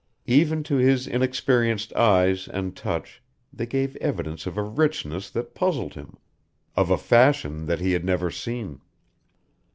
Even to his inexperienced eyes and touch they gave evidence of a richness that puzzled him, of a fashion that he had never seen.